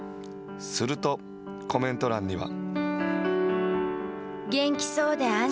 すると、コメント欄には。